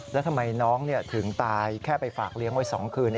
แล้วทำไมน้องถึงตายแค่ไปฝากเลี้ยงไว้๒คืน